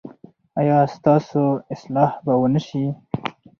ایا ستاسو اصلاح به و نه شي؟